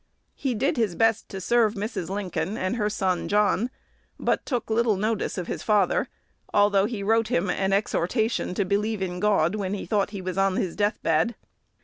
He did his best to serve Mrs. Lincoln and her son John, but took little notice of his father, although he wrote him an exhortation to believe in God when he thought he was on his death bed.